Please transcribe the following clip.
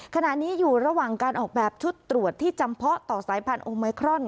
ขณะนี้อยู่ระหว่างการออกแบบชุดตรวจที่จำเพาะต่อสายพันธุไมครอน